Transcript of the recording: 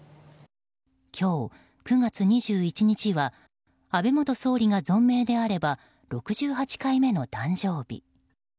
今日、９月２１日は安倍元総理が存命であれば６８回目の誕生日。